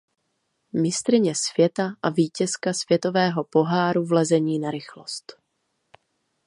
Mistryně světa a vítězka světového poháru v lezení na rychlost.